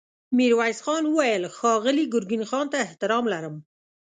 ميرويس خان وويل: ښاغلي ګرګين خان ته احترام لرم.